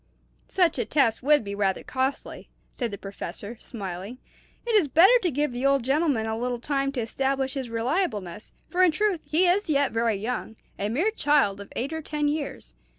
"Such a test would be rather costly," said the Professor, smiling. "It is better to give the old gentleman a little time to establish his reliableness; for in truth he is yet very young a mere child of eight or ten years.